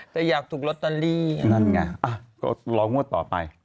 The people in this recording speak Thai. แต่อยากถูกลอตเตอรี่นั่นไงอ่ะก็รองวดต่อไป